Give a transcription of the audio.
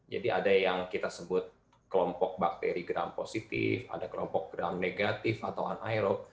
jadi ada yang kita sebut kelompok bakteri gram positif ada kelompok gram negatif atau anaerob